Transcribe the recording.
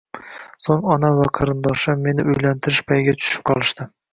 So`ng onam va qarindoshlar meni uylantirish payiga tushib qolishdi